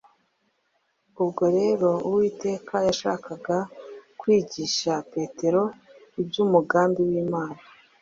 Ubwo rero Uwiteka yashakaga kwigisha Petero iby’umugambi w’Imana